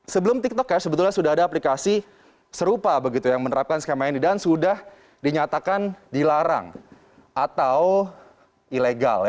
sebelum tiktok cash sebetulnya sudah ada aplikasi serupa begitu yang menerapkan skema ini dan sudah dinyatakan dilarang atau ilegal ya